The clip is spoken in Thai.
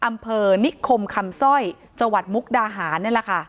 อำเภอนิคมคำสร้อยจังหวัดมุกดาหารนี่แหละค่ะ